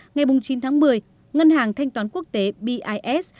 ngày chín tháng một mươi ngân hàng thanh toán quốc tế bis